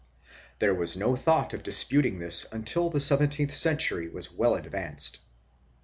3 There was no thought of disputing this until the seventeenth century was well advanced.